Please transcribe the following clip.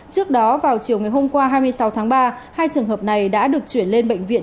trước đó vào chiều ngày hôm qua hai mươi sáu tháng ba hai trường hợp này đã được chuyển lên bệnh viện